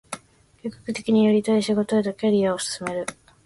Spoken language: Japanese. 計画的にやりたい仕事へとキャリアを進める